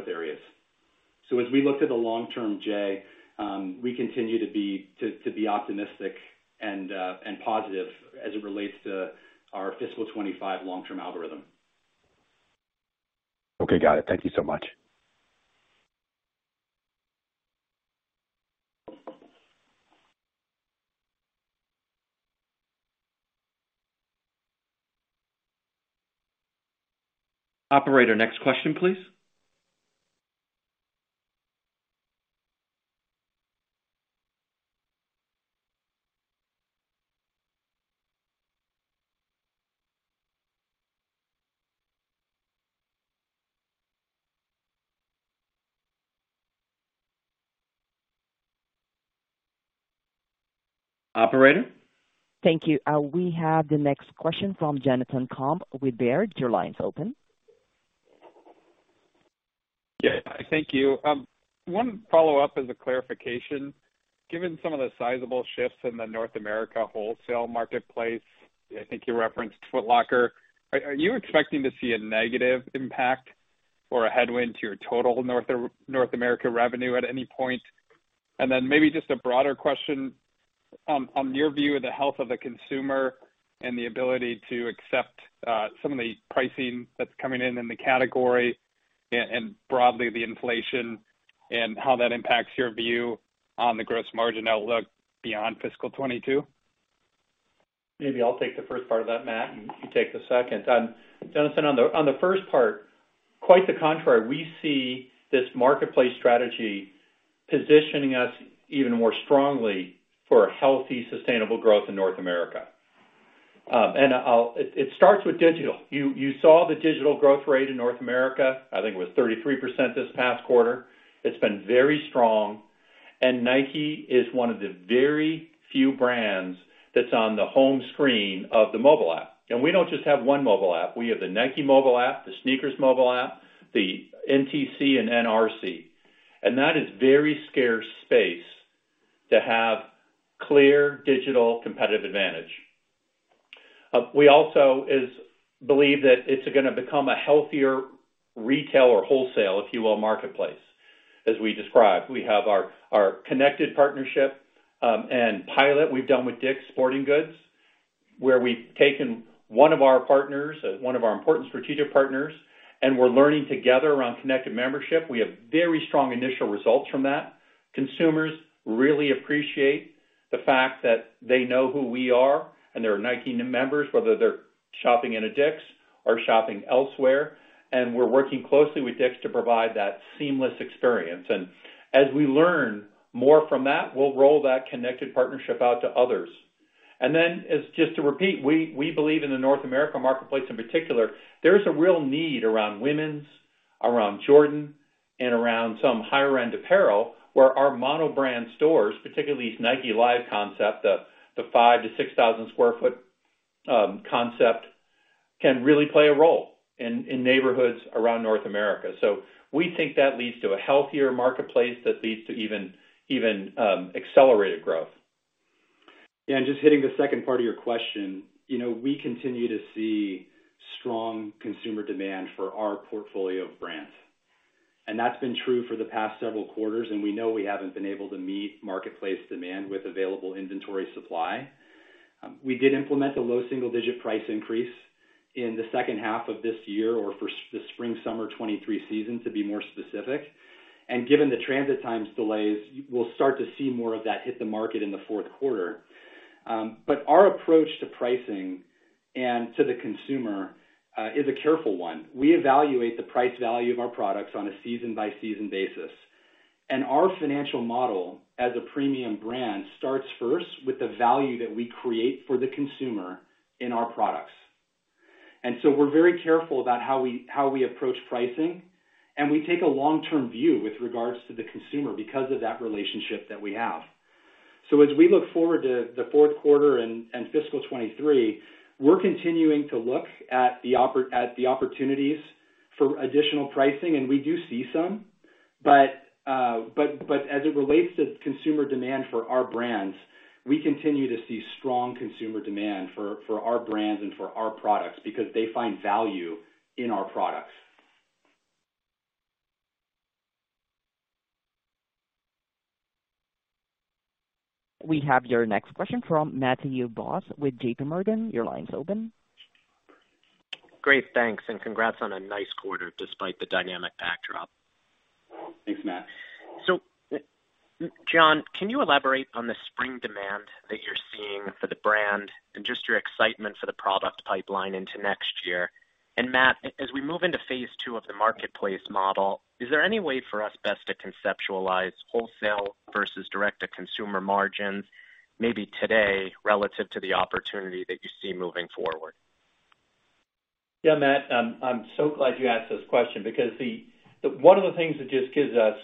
areas. As we look to the long term, Jay, we continue to be optimistic and positive as it relates to our fiscal 2025 long-term algorithm. Okay, got it. Thank you so much. Operator, next question, please. Operator? Thank you. We have the next question from Jonathan Komp with Baird. Your line's open. Yeah. Thank you. One follow-up as a clarification. Given some of the sizable shifts in the North America wholesale marketplace, I think you referenced Foot Locker, are you expecting to see a negative impact or a headwind to your total North America revenue at any point? Then maybe just a broader question on your view of the health of the consumer and the ability to accept some of the pricing that's coming in in the category and broadly the inflation and how that impacts your view on the gross margin outlook beyond fiscal 2022. Maybe I'll take the first part of that, Matt, and you take the second. Jonathan, on the first part, quite the contrary, we see this marketplace strategy positioning us even more strongly for a healthy, sustainable growth in North America. It starts with digital. You saw the digital growth rate in North America. I think it was 33% this past quarter. It's been very strong. Nike is one of the very few brands that's on the home screen of the mobile app. We don't just have one mobile app. We have the Nike mobile app, the SNKRS mobile app, the NTC, and NRC. That is very scarce space to have clear digital competitive advantage. We also believe that it's gonna become a healthier retail or wholesale, if you will, marketplace, as we described. We have our connected partnership and pilot we've done with DICK'S Sporting Goods, where we've taken one of our partners, one of our important strategic partners, and we're learning together around connected membership. We have very strong initial results from that. Consumers really appreciate the fact that they know who we are, and they're Nike members, whether they're shopping in a DICK'S or shopping elsewhere. We're working closely with DICK'S to provide that seamless experience. As we learn more from that, we'll roll that connected partnership out to others. We believe in the North America marketplace. In particular, there's a real need around women's, around Jordan, and around some higher-end apparel where our mono brand stores, particularly these Nike Live concept, the 5,000-6,000 sq ft concept, can really play a role in neighborhoods around North America. We think that leads to a healthier marketplace that leads to accelerated growth. Yeah, just hitting the second part of your question. You know, we continue to see strong consumer demand for our portfolio of brands. That's been true for the past several quarters, and we know we haven't been able to meet marketplace demand with available inventory supply. We did implement a low single-digit price increase in the second half of this year or for the spring, summer 2023 season, to be more specific. Given the transit times delays, we'll start to see more of that hit the market in the fourth quarter. But our approach to pricing and to the consumer is a careful one. We evaluate the price value of our products on a season-by-season basis. Our financial model as a premium brand starts first with the value that we create for the consumer in our products. We're very careful about how we approach pricing, and we take a long-term view with regards to the consumer because of that relationship that we have. As we look forward to the fourth quarter and fiscal 2023, we're continuing to look at the opportunities for additional pricing, and we do see some. As it relates to consumer demand for our brands, we continue to see strong consumer demand for our brands and for our products because they find value in our products. We have your next question from Matthew Boss with JPMorgan. Your line's open. Great. Thanks. Congrats on a nice quarter despite the dynamic backdrop. Thanks, Matt. John, can you elaborate on the spring demand that you're seeing for the brand and just your excitement for the product pipeline into next year? Matt, as we move into phase two of the marketplace model, is there any way for us best to conceptualize wholesale versus direct-to-consumer margins maybe today relative to the opportunity that you see moving forward? Yeah, Matt, I'm so glad you asked this question because one of the things that just gives us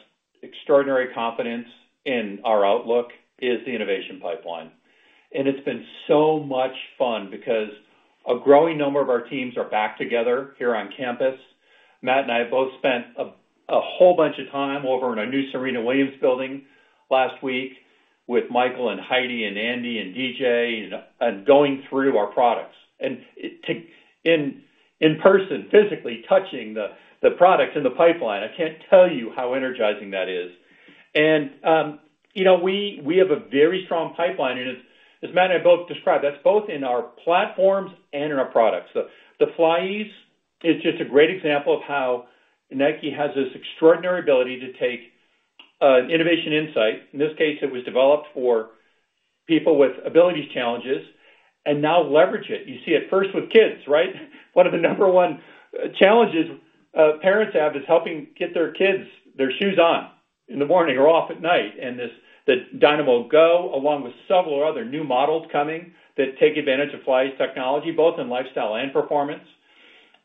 extraordinary confidence in our outlook is the innovation pipeline. It's been so much fun because a growing number of our teams are back together here on campus. Matt and I have both spent a whole bunch of time over in our new Serena Williams building last week with Michael and Heidi and Andy and DJ, going through our products. In person, physically touching the products in the pipeline, I can't tell you how energizing that is. You know, we have a very strong pipeline, and as Matt and I both described, that's both in our platforms and in our products. The FlyEase is just a great example of how Nike has this extraordinary ability to take innovation insight. In this case, it was developed for people with ability challenges and now leverage it. You see it first with kids, right? One of the number one challenges parents have is helping get their kids their shoes on in the morning or off at night. The Dynamo Go, along with several other new models coming that take advantage of FlyEase technology, both in lifestyle and performance.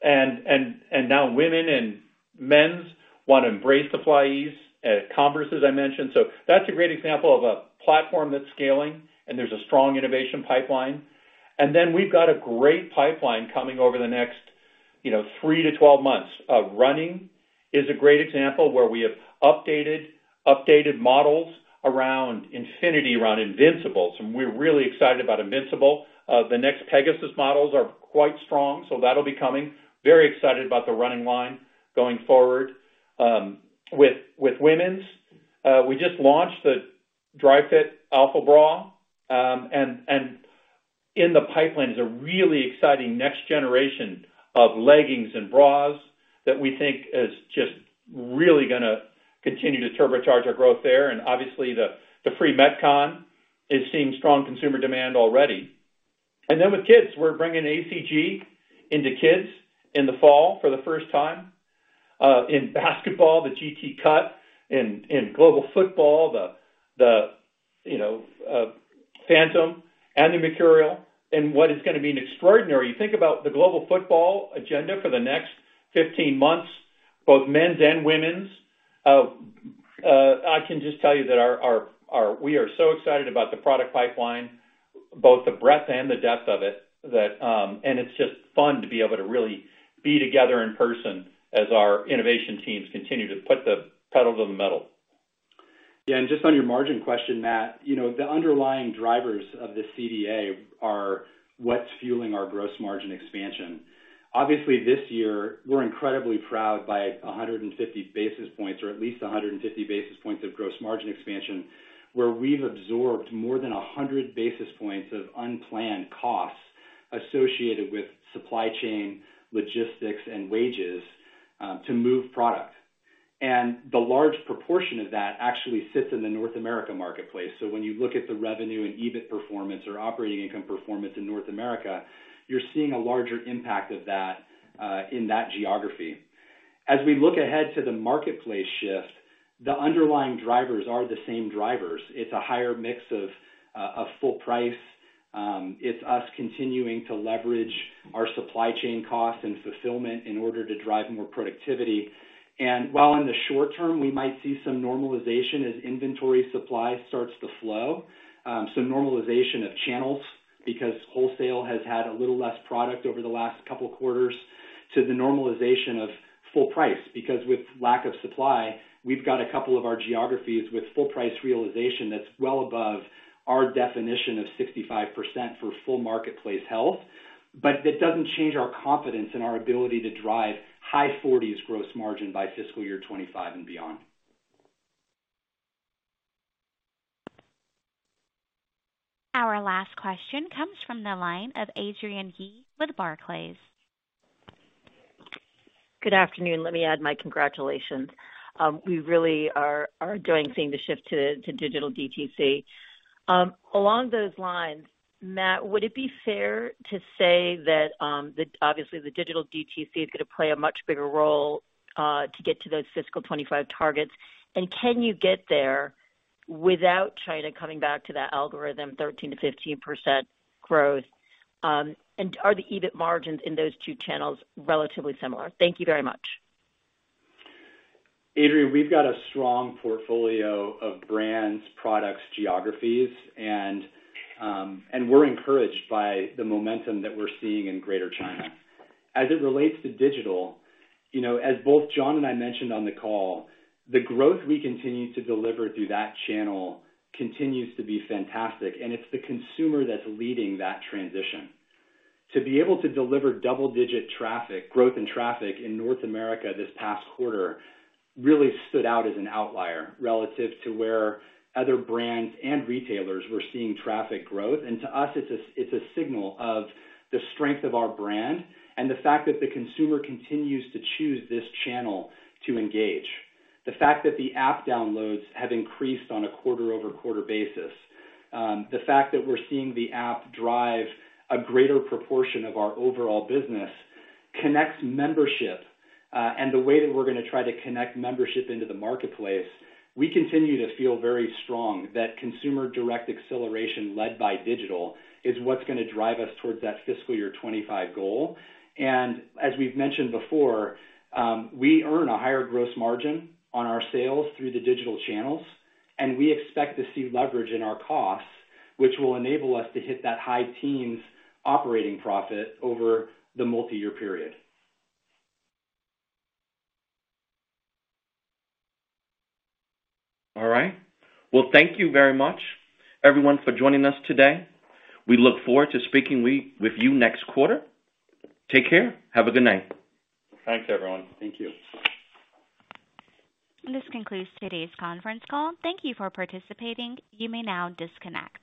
And now women and men's wanna embrace the FlyEase at Converse, as I mentioned. That's a great example of a platform that's scaling, and there's a strong innovation pipeline. Then we've got a great pipeline coming over the next three to 12 months. Running is a great example where we have updated models around InfinityRN, Invincible. We're really excited about Invincible. The next Pegasus models are quite strong, so that'll be coming. Very excited about the running line going forward. With women's, we just launched the Dri-FIT Alpha Bra. In the pipeline is a really exciting next generation of leggings and bras that we think is just really gonna continue to turbocharge our growth there. Obviously, the Free Metcon is seeing strong consumer demand already. Then with kids, we're bringing ACG into kids in the fall for the first time. In basketball, the G.T. Cut, in global football, the Phantom and the Mercurial and what is gonna be an extraordinary. You think about the global football agenda for the next 15 months, both men's and women's. I can just tell you that we are so excited about the product pipeline, both the breadth and the depth of it, and it's just fun to be able to really be together in person as our innovation teams continue to put the pedal to the metal. Yeah. Just on your margin question, Matt, you know, the underlying drivers of the CDA are what's fueling our gross margin expansion. Obviously, this year, we're incredibly proud, by 150 basis points or at least 150 basis points of gross margin expansion, where we've absorbed more than 100 basis points of unplanned costs associated with supply chain, logistics, and wages to move product. The large proportion of that actually sits in the North America marketplace. When you look at the revenue and EBIT performance or operating income performance in North America, you're seeing a larger impact of that in that geography. As we look ahead to the marketplace shift, the underlying drivers are the same drivers. It's a higher mix of a full price. It's us continuing to leverage our supply chain costs and fulfillment in order to drive more productivity. While in the short term, we might see some normalization as inventory supply starts to flow, normalization of channels because wholesale has had a little less product over the last couple quarters to the normalization of full price. Because with lack of supply, we've got a couple of our geographies with full price realization that's well above our definition of 65% for full marketplace health. That doesn't change our confidence in our ability to drive high 40s gross margin by fiscal year 2025 and beyond. Our last question comes from the line of Adrienne Yih with Barclays. Good afternoon. Let me add my congratulations. We really are enjoying seeing the shift to digital DTC. Along those lines, Matt, would it be fair to say that obviously the digital DTC is gonna play a much bigger role to get to those fiscal 2025 targets? Can you get there without China coming back to that algorithm 13%-15% growth? Are the EBIT margins in those two channels relatively similar? Thank you very much. Adrienne, we've got a strong portfolio of brands, products, geographies, and we're encouraged by the momentum that we're seeing in Greater China. As it relates to digital, you know, as both John and I mentioned on the call, the growth we continue to deliver through that channel continues to be fantastic, and it's the consumer that's leading that transition. To be able to deliver double digit traffic growth in traffic in North America this past quarter really stood out as an outlier relative to where other brands and retailers were seeing traffic growth. To us, it's a signal of the strength of our brand and the fact that the consumer continues to choose this channel to engage. The fact that the app downloads have increased on a quarter-over-quarter basis, the fact that we're seeing the app drive a greater proportion of our overall business connects membership, and the way that we're gonna try to connect membership into the marketplace. We continue to feel very strong that consumer direct acceleration led by digital is what's gonna drive us towards that fiscal year 2025 goal. As we've mentioned before, we earn a higher gross margin on our sales through the digital channels, and we expect to see leverage in our costs, which will enable us to hit that high teens operating profit over the multi-year period. All right. Well, thank you very much, everyone, for joining us today. We look forward to speaking with you next quarter. Take care. Have a good night. Thanks, everyone. Thank you. This concludes today's conference call. Thank you for participating. You may now disconnect.